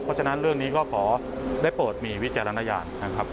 เพราะฉะนั้นเรื่องนี้ก็ขอได้โปรดมีวิจารณญาณนะครับ